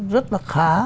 rất là khá